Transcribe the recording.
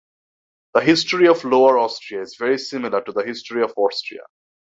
The history of Lower Austria is very similar to the history of Austria.